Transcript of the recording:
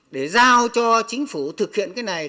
để giao cho chính phủ thực hiện cái này